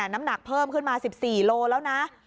น้ำหนักเพิ่มขึ้นมา๑๔โลแล้วนะ